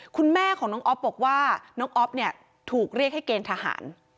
คุณแม่ของน้องอ๊อฟบอกว่าน้องอ๊อฟเนี่ยถูกเรียกให้เกณฑ์ทหาร